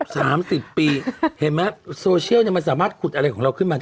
สามสิบปีเห็นไหมโซเชียลเนี้ยมันสามารถขุดอะไรของเราขึ้นมาได้